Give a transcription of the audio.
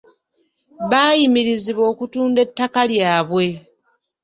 Baayimirizibwa okutunda ettaka lyabwe.